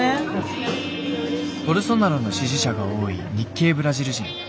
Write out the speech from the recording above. ボルソナロの支持者が多い日系ブラジル人。